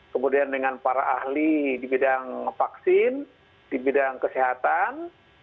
kemudian dengan para ahli di bidang vaksin di bidang kesehatan